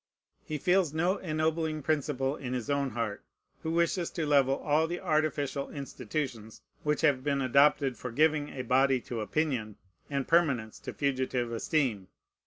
He feels no ennobling principle in his own heart, who wishes to level all the artificial institutions which have been adopted for giving a body to opinion and permanence to fugitive esteem.